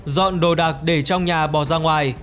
dọn đồ đạc để trong nhà bỏ ra ngoài